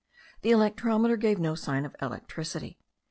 The electrometer gave no sign of electricity.